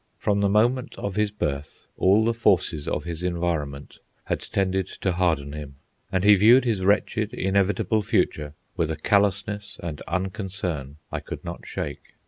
From the moment of his birth, all the forces of his environment had tended to harden him, and he viewed his wretched, inevitable future with a callousness and unconcern I could not shake.